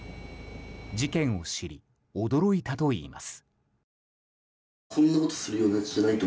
事件を知り、驚いたといいます。